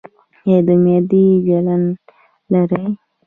ایا د معدې جلن لرئ؟